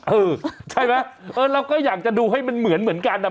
เออใช่ไหมเออเราก็อยากจะดูให้มันเหมือนกันนะ